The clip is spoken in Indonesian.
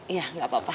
iya enggak apa apa